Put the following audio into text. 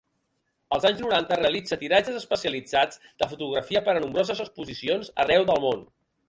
Als anys noranta realitza tiratges especialitzats de fotografia per a nombroses exposicions arreu del món.